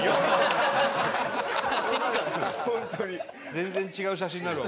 全然違う写真になるわ。